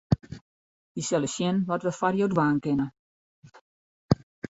Wy sille sjen wat we foar jo dwaan kinne.